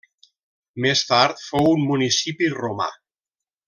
Més tard fou un municipi romà.